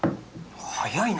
早いな！